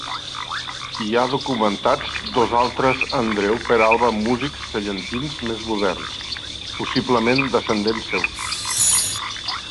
Hi ha documentats dos altres Andreu Peralba músics sallentins més moderns, possiblement descendents seus.